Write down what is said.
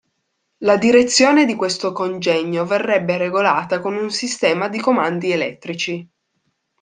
La direzione di questo congegno verrebbe regolata con un sistema di comandi elettrici.